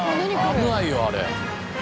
危ないよあれ。